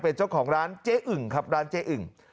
เป็นเจ้าของร้านเจ๊อึ่งครับร้านเจ๊อึ่ง